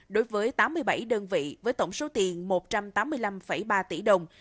đối với tám mươi bảy đơn vị với tổng số tiền một trăm linh triệu đồng